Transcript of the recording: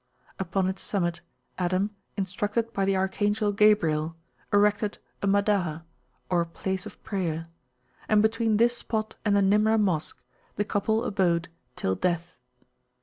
Upon its summit, Adam, instructed by the archangel Gabriel, erected a Madaa, or place of prayer: and between this spot and the Nimrah Mosque the couple abode till death.